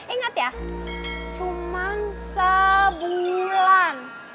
ingat ya cuma sebulan